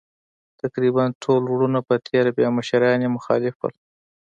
تقریباً ټول وروڼه په تېره بیا مشران یې مخالف وو.